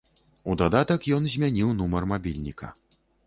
У дадатак ён змяніў нумар мабільніка.